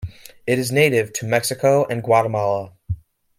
It is native to Mexico and Guatemala.